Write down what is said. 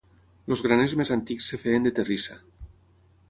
Els graners més antics es feien de terrissa.